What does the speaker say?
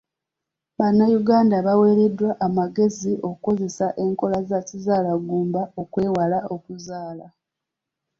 Bannayuganda baweereddwa amagezi okukozesa enkola za kizaalaggumba okwewala okuzaala.